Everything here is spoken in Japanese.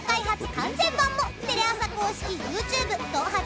完全版もテレ朝公式ＹｏｕＴｕｂｅ「動はじ」で配信！